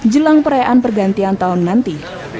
jelang perayaan pergantian tahun nanti